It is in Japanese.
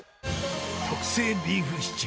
特製ビーフシチュー。